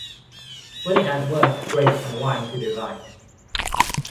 When the ant works, grapes and wine to the vine.